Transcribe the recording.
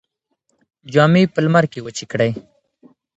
جامې په لمر کې وچې کړئ.